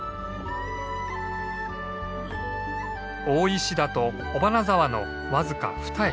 大石田と尾花沢の僅かふた駅。